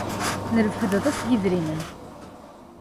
Nerbeḥ-d aṭas n yidrimen.